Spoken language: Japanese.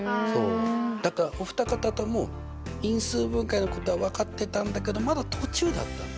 だからお二方とも因数分解のことは分かってたんだけどまだ途中だった。